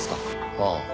ああ。